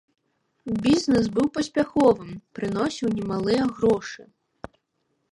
Бізнэс быў паспяховым, прыносіў немалыя грошы.